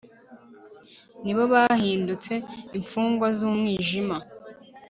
ni bo bahindutse imfungwa z'umwijima